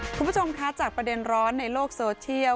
คุณผู้ชมคะจากประเด็นร้อนในโลกโซเชียล